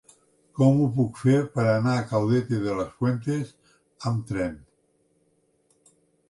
Com ho puc fer per anar a Caudete de las Fuentes amb tren?